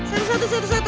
alright sekarang kamu